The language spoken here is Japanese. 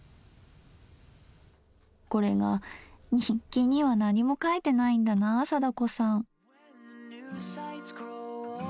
これが日記には何も書いてないんだなあ貞子さん。